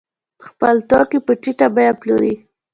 خپل توکي په ټیټه بیه پلوري.